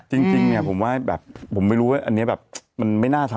จริงผมว่าแบบผมไม่รู้ว่าอะไรมาก